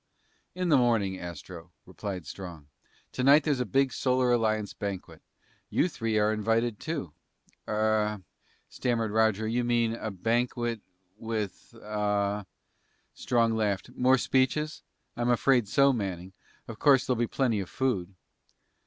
"In the morning, Astro," replied Strong. "Tonight there's a big Solar Alliance banquet. You three are invited, too." "Er " stammered Roger, "you mean a banquet with uh ?" Strong laughed. "More speeches? I'm afraid so, Manning. Of course there'll be plenty of food."